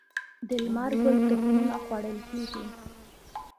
د لمر ګل تخمونه خوړل کیږي